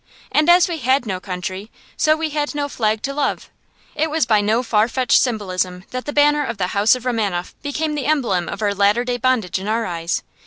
And as we had no country, so we had no flag to love. It was by no far fetched symbolism that the banner of the House of Romanoff became the emblem of our latter day bondage in our eyes.